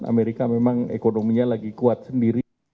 amerika memang ekonominya lagi kuat sendiri